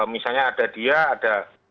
misalnya ada dia ada